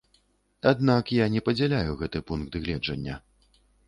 Аднак я не падзяляю гэты пункт гледжання.